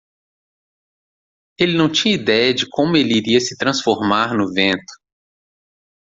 Ele não tinha ideia de como ele iria se transformar no vento.